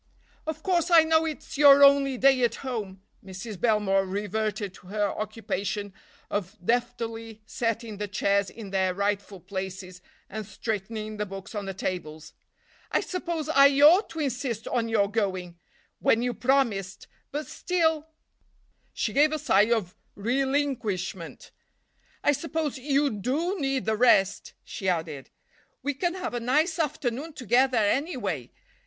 "Of course I know it's your only day at home—" Mrs. Belmore reverted to her occupation of deftly setting the chairs in their rightful places, and straightening the books on the tables. "I suppose I ought to insist on your going—when you promised—but still—" She gave a sigh of relinquishment. "I suppose you do need the rest," she added. "We can have a nice afternoon together, anyway.